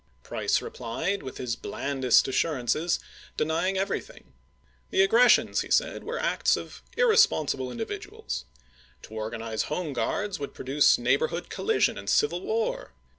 Price replied with his blandest assurances, denying everything. The aggi^essions, he said, were acts of irresponsible individuals. To organize Home Guards would pro duce neighborhood collision and civil war.